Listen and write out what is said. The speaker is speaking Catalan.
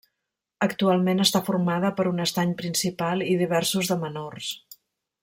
Actualment està formada per un estany principal i diversos de menors.